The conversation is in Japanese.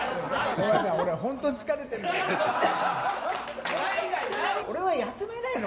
ごめんなさい、俺、本当に疲れてるの。